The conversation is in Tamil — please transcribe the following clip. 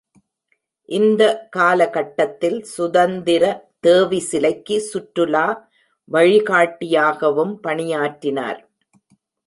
இந்த காலகட்டத்தில் சுதந்திர தேவி சிலைக்கு சுற்றுலா வழிகாட்டியாகவும் பணியாற்றினார்.